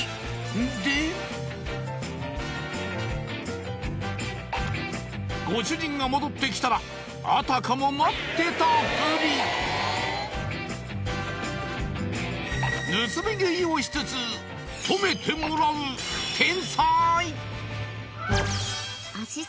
でご主人が戻ってきたらあたかも待ってたフリ盗み食いをしつつ褒めてもらう天才！